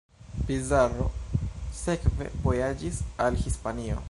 Pizarro sekve vojaĝis al Hispanio.